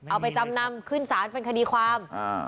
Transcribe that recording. เอาไปจำนำขึ้นสารเป็นคดีความ